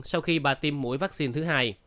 sau khi bà tiêm mũi vaccine thứ hai